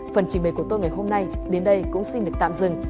phần trình bày của tôi ngày hôm nay đến đây cũng xin được tạm dừng